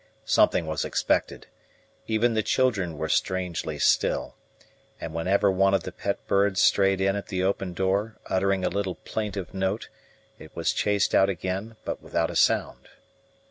Something was expected; even the children were strangely still, and whenever one of the pet birds strayed in at the open door, uttering a little plaintive note, it was chased out again, but without a sound.